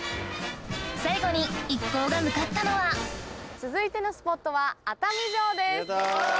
最後に一行が向かったのは続いてのスポットは熱海城です。